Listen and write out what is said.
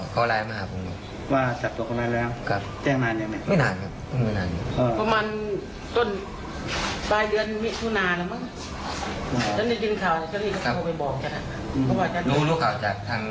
ก็งงเหมือนกันทำไมไม่เห็นหนูหน้าหนูหัวตา